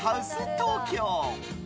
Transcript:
東京。